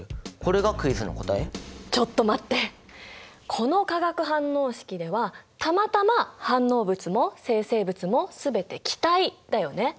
この化学反応式ではたまたま反応物も生成物も全て気体だよね。